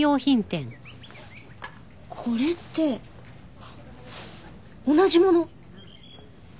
これって同じもの。